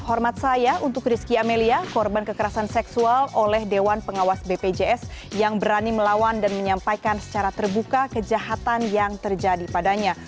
hormat saya untuk rizky amelia korban kekerasan seksual oleh dewan pengawas bpjs yang berani melawan dan menyampaikan secara terbuka kejahatan yang terjadi padanya